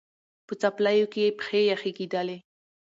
په څپلیو کي یې پښې یخی کېدلې